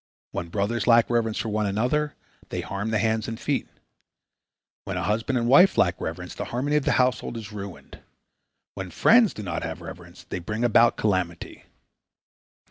When brothers lack reverence for one another, they harm the hands and feet. When husband and wife lack reverence, the harmony of the household is ruined. When friends do not have reverence, they bring about calamity."